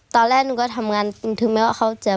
ตอนแรกหนูก็ทำงานถึงแม้ว่าเขาจะ